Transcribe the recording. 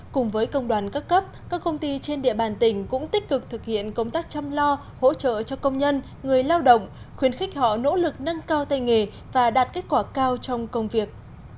cùng với công đoàn các cấp các công ty trên địa bàn tỉnh cũng tích cực thực hiện công tác chăm lo hỗ trợ cho công nhân người lao động khuyến khích họ nỗ lực nâng cao tay nghề và đạt kết quả cao trong công việc